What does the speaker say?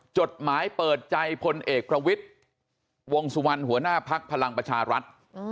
จดหมายเปิดใจพลเอกประวิทย์วงสุวรรณหัวหน้าภักดิ์พลังประชารัฐ